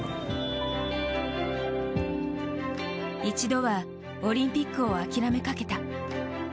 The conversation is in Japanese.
一度はオリンピックを諦めかけた。